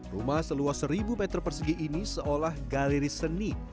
rumah seluas seribu meter persegi ini seolah galeri seni